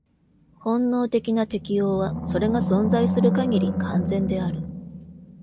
本能的な適応は、それが存在する限り、完全である。